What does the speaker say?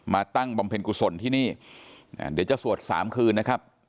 ตั้งบำเพ็ญกุศลที่นี่เดี๋ยวจะสวดสามคืนนะครับ